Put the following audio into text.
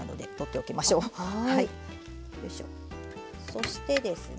そしてですね。